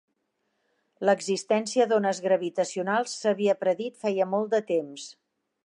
L'existència d'ones gravitacionals s'havia predit feia molt de temps.